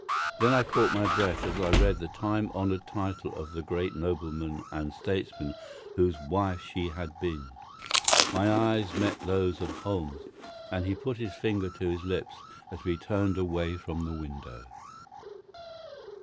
Then I caught my breath as I read the time honoured title of the great nobleman and statesman whose wife she had been. My eyes met those of Holmes, and he put his finger to his lips as we turned away from the window.